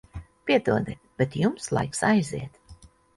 Piedodiet, bet jums laiks aiziet.